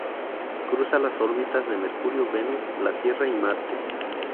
Cruza las órbitas de Mercurio, Venus, la Tierra y Marte.